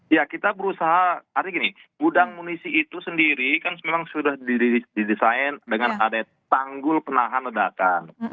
ya kita berusaha artinya gini gudang munisi itu sendiri kan memang sudah didesain dengan adanya tanggul penahan ledakan